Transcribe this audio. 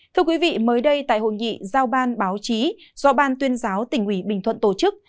thưa quý vị mới đây tại hội nghị giao ban báo chí do ban tuyên giáo tỉnh ủy bình thuận tổ chức